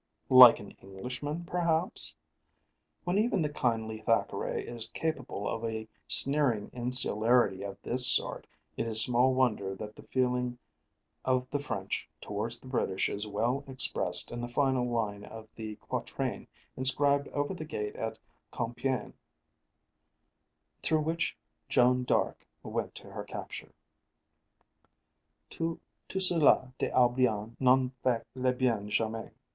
like an Englishman, perhaps? When even the kindly Thackeray is capable of a sneering insularity of this sort, it is small wonder that the feeling of the French towards the British is well expressed in the final line of the quatrain inscribed over the gate at Compiègne through which Joan Darc went to her capture: "Tous ceux là d'Albion n'ont faict le bien jamais!"